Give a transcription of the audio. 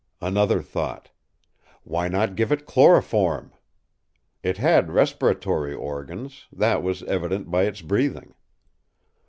Another thought. Why not give it chloroform? It had respiratory organs—that was evident by its breathing.